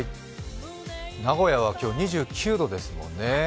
名古屋が今日、２９度ですもんね。